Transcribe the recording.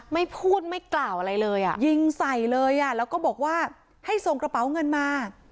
ไม่พูดไม่กล่าวอะไรเลยอ่ะยิงใส่เลยอ่ะแล้วก็บอกว่าให้ส่งกระเป๋าเงินมา